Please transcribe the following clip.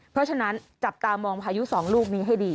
เพราะฉะนั้นจับตามองพายุสองลูกนี้ให้ดี